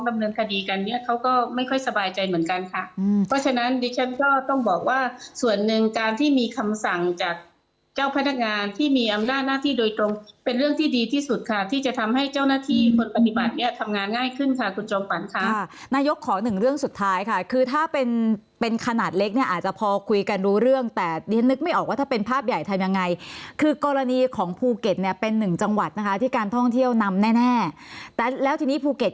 กำเนินคดีกันเนี้ยเขาก็ไม่ค่อยสบายใจเหมือนกันค่ะอืมเพราะฉะนั้นดิฉันก็ต้องบอกว่าส่วนหนึ่งการที่มีคำสั่งจากเจ้าพนักงานที่มีอำร่าหน้าที่โดยตรงเป็นเรื่องที่ดีที่สุดค่ะที่จะทำให้เจ้าหน้าที่คนปฏิบัติเนี้ยทำงานง่ายขึ้นค่ะคุณจงฝันค่ะค่ะนายกขอหนึ่งเรื่องสุดท้ายค่